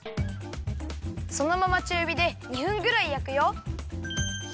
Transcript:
そのままちゅうびで２分ぐらいやくよ。